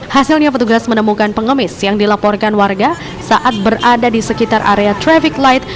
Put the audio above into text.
hasilnya petugas menemukan pengemis yang dilaporkan warga saat berada di sekitar area traffic light